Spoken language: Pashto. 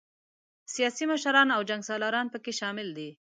سیاسي مشران او جنګ سالاران پکې شامل دي.